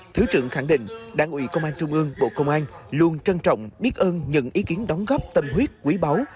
thứ trưởng khẳng định đảng ủy công an trung ương bộ công an luôn trân trọng biết ơn những ý kiến đóng góp tâm huyết quý báu